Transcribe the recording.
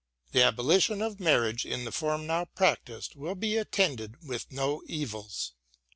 The abolition of marriage in the form now practised will be attended with no evils.